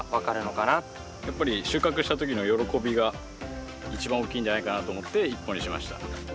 やっぱり収穫した時の喜びが一番大きいんじゃないかなと思って１本にしました。